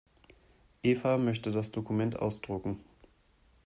Eva möchte das Dokument ausdrucken.